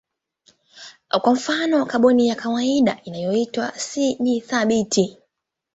Kwa mfano kaboni ya kawaida inayoitwa C ni thabiti.